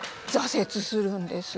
挫折するんです。